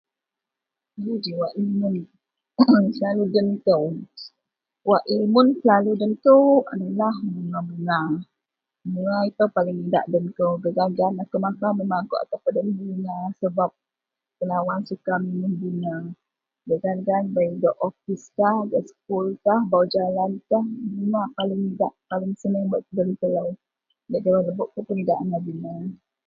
Gui ji wak imun,...[ee]...wak selalu den kou , wak imun selalu den kou adalah bunga-bunga, bunga ito paling idak den kou, gaan-gaan akou makau memeng akou akan peden bunga .Sebab tenawan suka pimun bunga. Gaan-gaan bei, opis kah, gak sekul kah bau jalan kah, bunga paling idak den paling senang den telo gak jawai lebok puon bei bunga.